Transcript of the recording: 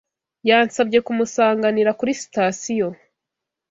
Yansabye kumusanganira kuri sitasiyo.